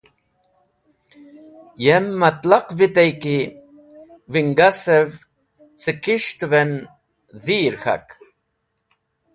Yem matlaq vite ki wingasev cẽ kis̃ht’v en dhir k̃hak.